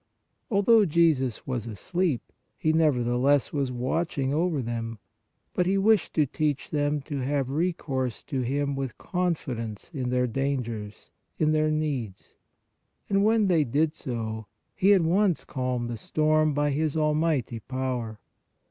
Although Jesus was asleep, He nevertheless was watching over them, but He wished to teach them to have recourse to Him with confidence in their dangers, in their needs. And when they did so, He at once calmed the storm by His almighty power.